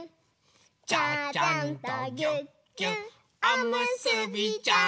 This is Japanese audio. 「ちゃちゃんとぎゅっぎゅっおむすびちゃん」